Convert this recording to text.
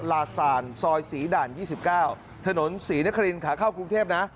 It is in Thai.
ลาสานซอยศรีด่านยี่สิบเก้าถนนศรีนครินขาเข้ากรุงเทพนะ